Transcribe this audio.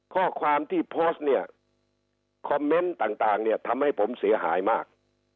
ข้อความที่เนี้ยต่างต่างเนี้ยทำให้ผมเสียหายมาก